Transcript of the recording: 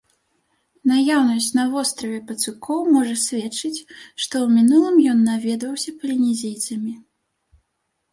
Наяўнасць на востраве пацукоў можа сведчыць, што ў мінулым ён наведваўся палінезійцамі.